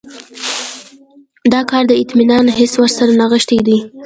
دا کار د اطمینان حس ورسره نغښتی دی.